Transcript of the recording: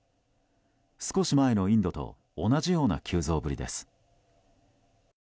少し前のインドと同じような急増ぶりです。